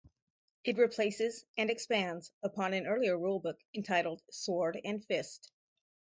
It replaces and expands upon an earlier rulebook entitled "Sword and Fist".